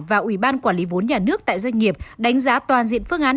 và ủy ban quản lý vốn nhà nước tại doanh nghiệp đánh giá toàn diện phương án